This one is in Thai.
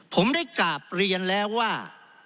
ผมได้กราบเรียนแล้วว่า